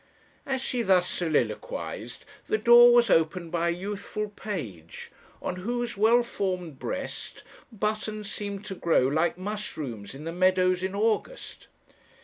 "As she thus soliloquized, the door was opened by a youthful page, on whose well formed breast, buttons seemed to grow like mushrooms in the meadows in August.